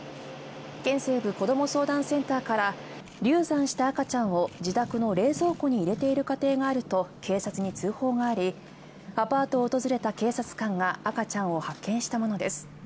県西部こども相談センターから、流産した赤ちゃんを自宅の冷蔵庫に入れている家庭があると警察に通報があり、アパートを訪れた警察官が赤ちゃんを発見したものです。